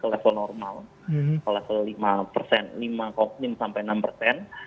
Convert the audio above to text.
karena mungkin ini mengakibat di mana unemployment nya itu masih belum melakukan koreksi ke level normal